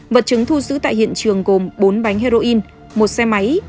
vật chứng thu giữ tại hiện trường gồm bốn bánh heroin một xe máy